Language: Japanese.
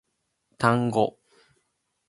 単語